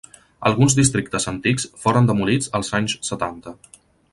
Alguns districtes antics foren demolits als anys setanta.